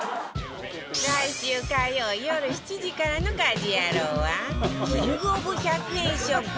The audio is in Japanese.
来週火曜よる７時からの『家事ヤロウ！！！』はキング・オブ・１００円ショップ